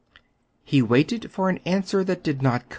He waited for an answer that did not come.